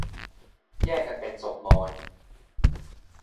แย่งกันเป็นศพมอญ